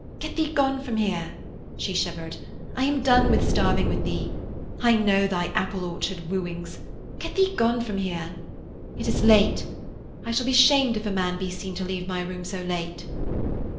'Get thee gone from here,' she shivered. 'I am done with starving with thee. I know thy apple orchard wooings. Get thee gone from here. It is late. I shall be shamed if a man be seen to leave my room so late.'